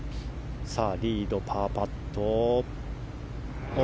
リード、パーパット。